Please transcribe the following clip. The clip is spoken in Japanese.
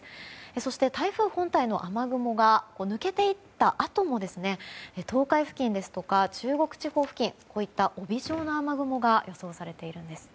そして、台風本体の雨雲が抜けていったあとも東海付近ですとか中国地方付近にこういった帯状の雨雲が予想されているんです。